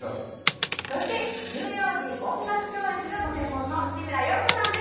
そして乳幼児音楽教育がご専門の志村洋子さんです。